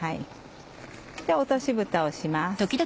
落としぶたをします。